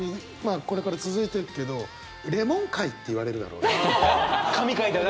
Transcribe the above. これから続いていくけどレモン回っていわれるだろうな。